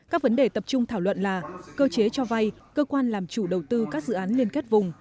các vấn đề tập trung thảo luận là cơ chế cho vay cơ quan làm chủ đầu tư các dự án liên kết vùng